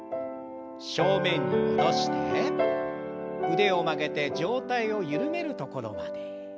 腕を曲げて上体を緩めるところまで。